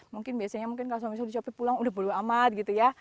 mungkin biasanya kalau suami sudah dicopi pulang sudah perlu amat gitu ya